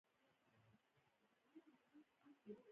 دښته د هر سترګو خوند دی.